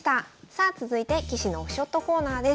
さあ続いて棋士のオフショットコーナーです。